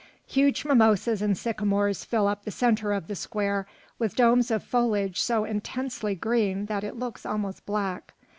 Huge mimosas and sycamores fill up the centre of the square with domes of foliage so intensely green that it looks almost black.